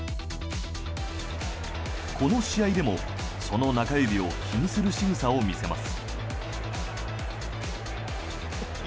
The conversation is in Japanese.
この試合でもその中指を気にするしぐさを見せます。